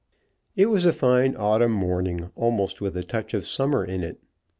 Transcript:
It was a fine autumn morning, almost with a touch of summer in it.